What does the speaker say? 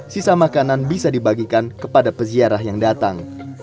sisa makanan bisa dibagikan kepada peziarah yang datang